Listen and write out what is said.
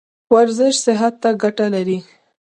ورزش صحت ته ګټه لري